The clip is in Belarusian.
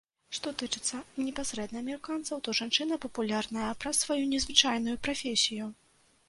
Што тычыцца непасрэдна амерыканцаў, то жанчына папулярная праз сваю незвычайную прафесію.